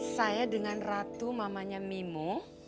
saya dengan ratu mamanya mimo